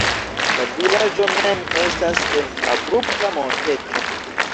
La vilaĝo mem estas en abrupta monteto.